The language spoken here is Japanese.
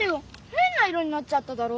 へんな色になっちゃっただろ！